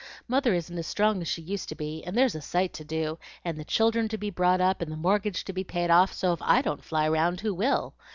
Mother isn't as strong as she used to be, and there's a sight to do, and the children to be brought up, and the mortgage to be paid off; so if I don't fly round, who will?